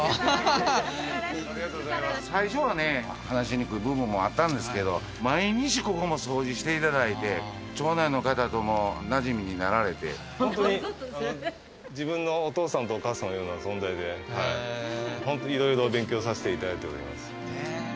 最初はね話しにくい部分もあったんですけど毎日ここも掃除していただいて町内の方ともなじみになられて本当に自分のお父さんとお母さんのような存在でホント色々勉強させていただいております